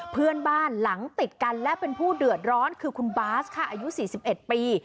เพื่อนบ้านหลังติดกันและเป็นผู้เดือดร้อนคือคุณบาสค่ะอายุ๔๑ปี